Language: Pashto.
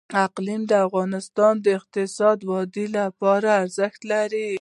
اقلیم د افغانستان د اقتصادي ودې لپاره ارزښت لري.